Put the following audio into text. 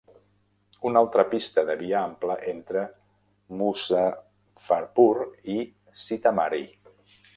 Una altra pista de via ampla entre Muzaffarpur i Sitamarhi.